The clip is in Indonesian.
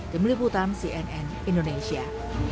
demi liputan cnn indonesia